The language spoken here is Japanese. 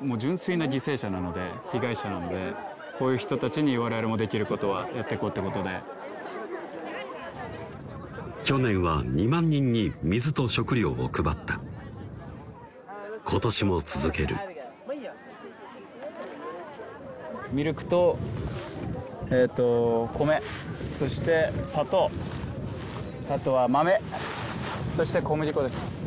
もう純粋な犠牲者なので被害者なのでこういう人たちに我々もできることはやっていこうということで去年は２万人に水と食料を配った今年も続けるミルクとえっと米そして砂糖あとは豆そして小麦粉です